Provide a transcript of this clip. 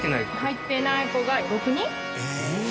入ってない子が６人。